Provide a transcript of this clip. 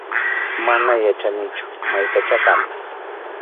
Mana yachanichu maytachá kanpas.